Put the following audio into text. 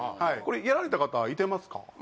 これやられた方いてますか？